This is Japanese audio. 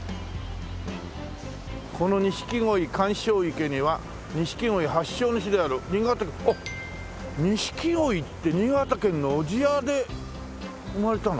「この錦鯉鑑賞池には錦鯉発祥の地である新潟県」あっ錦鯉って新潟県の小千谷で生まれたの？